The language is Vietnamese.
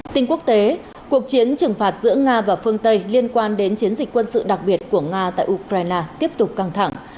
tin quốc tế cuộc chiến trừng phạt giữa nga và phương tây liên quan đến chiến dịch quân sự đặc biệt của nga tại ukraine tiếp tục căng thẳng